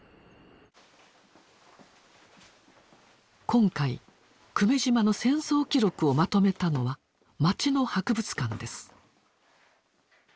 今回久米島の戦争記録をまとめたのは町の博物館です。